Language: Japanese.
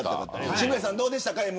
渋谷さん、どうでしたかＭ‐